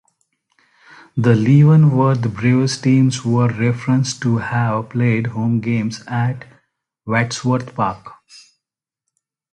The Leavenworth Braves teams were referenced to have played home games at Wadsworth Park.